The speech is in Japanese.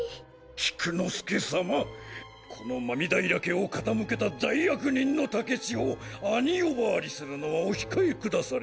菊之助さまこの狸平家を傾けた大悪人の竹千代を「兄」呼ばわりするのはお控えくだされ。